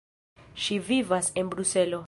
Ŝi vivas en Bruselo.